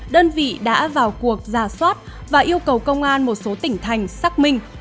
đơn vị đã vào cuộc giả soát và yêu cầu công an một số tỉnh thành xác minh